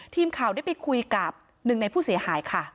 ทีมข่าวได้ไปคุยกับหนึ่งในผู้เสียหายค่ะ